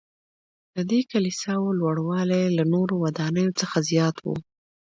ددې کلیساوو لوړوالی له نورو ودانیو څخه زیات و.